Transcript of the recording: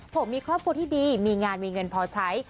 ผมมีครอบครัวที่ดีมีงานมีเงินพอใช้